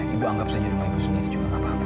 ibu anggap saja rumah ibu sendiri juga nggak apa apa